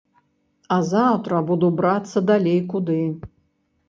А заўтра буду брацца далей куды.